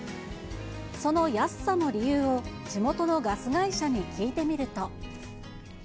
その安さの理由を、地元のガス会社に聞いてみると。